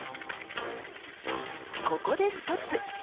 ここでストップ！